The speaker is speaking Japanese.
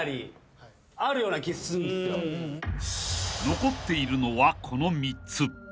［残っているのはこの３つ］